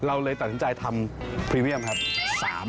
เราเลยตัดสินใจทำพรีเมียมครับ